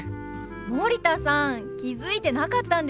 森田さん気付いてなかったんですか？